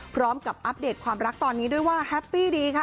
อัปเดตความรักตอนนี้ด้วยว่าแฮปปี้ดีค่ะ